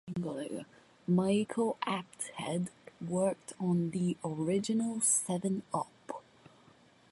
Michael Apted worked on the original "Seven Up".